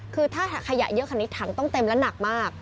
คือถ้าขยะเยอะขนาดนี้ถังต้องเต็มและหนักมาก